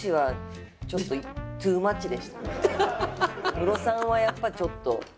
ムロさんはやっぱちょっと。